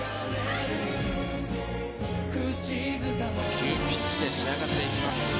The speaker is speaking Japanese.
・急ピッチで仕上がっていきます